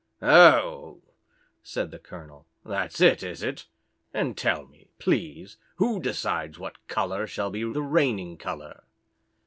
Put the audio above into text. "Oh!" said the colonel. "That's it, is it? And tell me, please, who decides what colour shall be the reigning colour?"